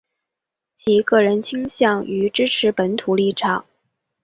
其个人倾向于支持本土立场。